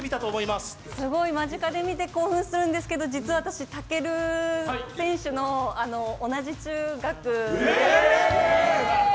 すごい間近で見て興奮するんですけど実は私、武尊選手の同じ中学で。